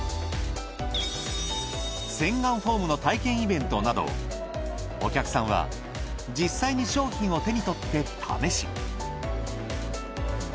洗顔フォームの体験イベントなどお客さんは実際に商品を手に取って試し。